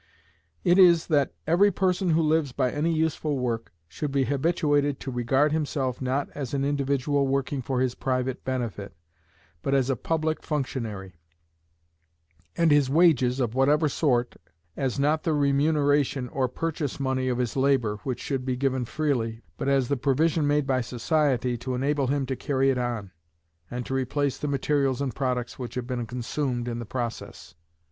It is, that every person who lives by any useful work, should be habituated to regard himself not as an individual working for his private benefit, but as a public functionary; and his wages, of whatever sort, as not the remuneration or purchase money of his labour, which should be given freely, but as the provision made by society to enable him to carry it on, and to replace the materials and products which have been consumed in the process.